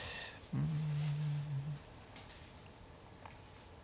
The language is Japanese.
うん。